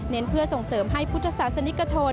เพื่อส่งเสริมให้พุทธศาสนิกชน